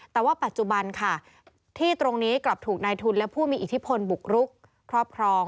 แต่ว่าปัจจุบันค่ะที่ตรงนี้กลับถูกนายทุนและผู้มีอิทธิพลบุกรุกครอบครอง